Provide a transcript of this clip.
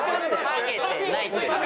ハゲてないって！